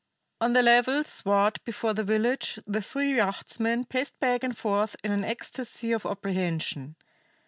On the level sward before the village the three yachtsmen paced back and forth in an ecstasy of apprehension.